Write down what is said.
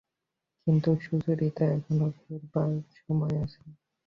কিন্তু, সুচরিতা, এখনো ফেরবার সময় আছে।